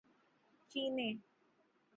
چینّے